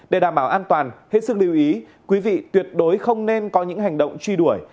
để đảm bảo an toàn hết sức lưu ý quý vị tuyệt đối không nên có những hành động truy đuổi